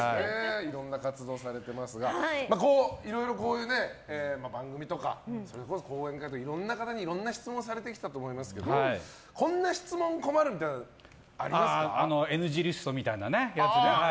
いろんな活動されてますがいろいろこういう番組とかそれこそ講演会とかいろんな方にいろんな質問されてきたと思いますけどこんな質問困るみたいなのＮＧリストみたいなやつね。